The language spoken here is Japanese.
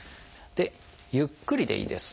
ゆっくりでいいです。